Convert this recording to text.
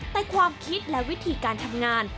แต่ความคิดและวิธีการทำงาน